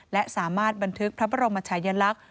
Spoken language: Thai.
และสามารถบันทึกพระบรมชายลักษณ์